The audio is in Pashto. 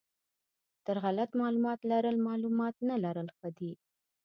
تر غلط معلومات لرل معلومات نه لرل ښه دي.